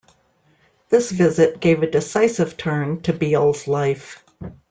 This visit gave a decisive turn to Beel's life.